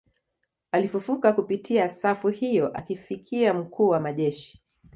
Alifufuka kupitia safu hiyo akifikia mkuu wa majeshi